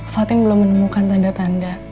fathing belum menemukan tanda tanda